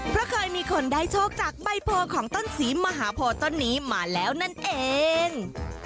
เพราะเคยมีคนได้โชคจากใบโพของต้นศรีมหาโพต้นนี้มาแล้วนั่นเอง